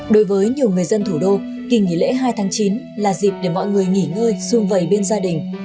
đối với nhiều người dân thủ đô kỳ nghỉ lễ hai tháng chín là dịp để mọi người nghỉ ngơi xung vầy bên gia đình